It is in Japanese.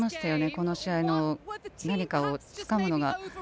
この試合で何かをつかむのが。